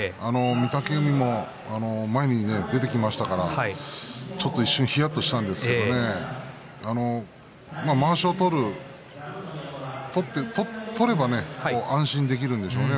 御嶽海も前に出てきましたからちょっと一瞬ひやっとしたんですがまわしを取れば安心できるんでしょうね